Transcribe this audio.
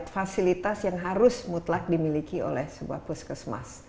fasilitas yang harus mutlak dimiliki oleh sebuah puskesmas